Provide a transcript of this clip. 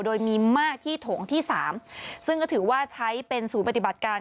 โดยมีมากที่โถงที่๓ซึ่งก็ถือว่าใช้เป็นศูนย์ปฏิบัติการ